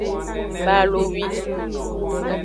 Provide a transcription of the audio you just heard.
Balowi.